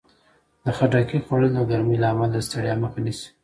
د خټکي خوړل د ګرمۍ له امله د ستړیا مخه نیسي.